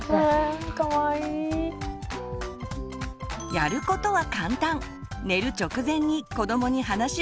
やることは簡単！